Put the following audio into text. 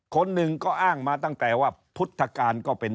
คนหนึ่งก็อ้างมาตั้งแต่ว่าพุทธการก็เป็น